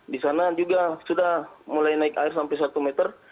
di sana juga sudah mulai naik air sampai satu meter